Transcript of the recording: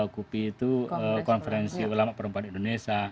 kupi itu konferensi ulama perempuan indonesia